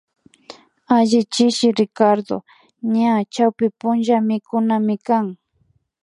Alli chishi Ricardo ña chawpunchamikunamikan